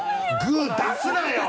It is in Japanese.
グー出すなよ！